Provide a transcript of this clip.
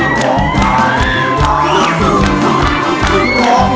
เลือกรางให้ตาม